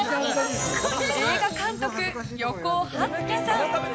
映画監督・横尾初喜さん。